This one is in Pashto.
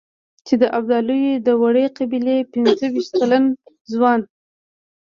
چې د ابدالیو د وړې قبيلې پنځه وېشت کلن ځوان.